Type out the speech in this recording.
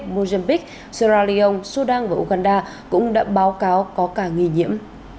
mozambique sierra leone sudan và uganda cũng đã báo cáo có cả nghi nhiễm